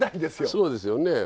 そうですよね。